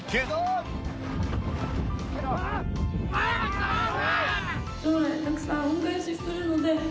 将来たくさん恩返しするので。